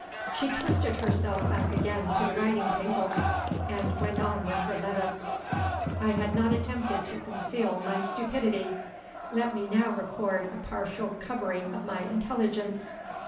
She twisted herself back again to the writing table, and went on with her letter. I have not attempted to conceal my stupidity. Let me now record a partial recovery of my intelligence.